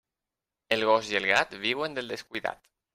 El gos i el gat viuen del descuidat.